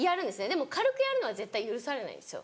でも軽くやるのは絶対許されないんですよ。